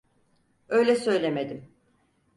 Öyle söylemedim.